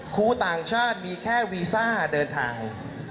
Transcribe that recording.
ครูต่างชาติมีแค่วีซ่าเดินทาง